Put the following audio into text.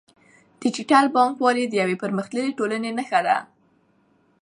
ډیجیټل بانکوالي د یوې پرمختللې ټولنې نښه ده.